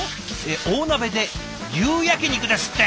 大鍋で牛焼き肉ですって！